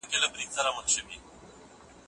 د لارښود استاد اساسي دنده لارښوونه کول دي.